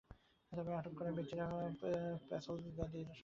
তবে আটক করা ব্যক্তিরা পাথালগাদির সদস্য কি না, তা স্পষ্ট নয়।